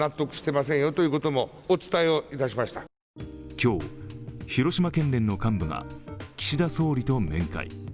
今日、広島県連の幹部が岸田総理と面会。